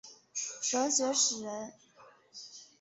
黾学创始人。